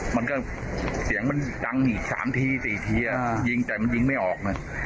มันก็เสียงมันดัง๓๔ทียิงแต่มันยิงไม่ออก